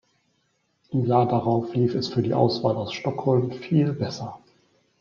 Im Jahr darauf lief es für die Auswahl aus Stockholm viel besser.